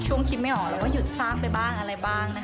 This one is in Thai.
ช่วงคิดไม่ออกเราก็หยุดสร้างไปบ้างอะไรบ้าง